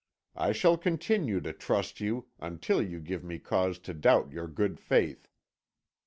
I shall continue to trust you until you give me cause to doubt your good faith.